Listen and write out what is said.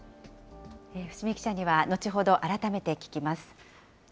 伏見記者には後ほど改めて聞きます。